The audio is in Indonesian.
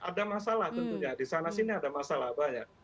ada masalah tentunya di sana sini ada masalah banyak